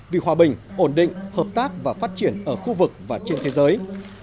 vì hòa bình ổn định hợp tác và phát triển ở khu vực và trên thế giới